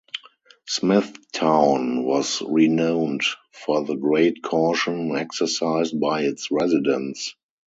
Smithtown was renowned for the great caution exercised by its residents.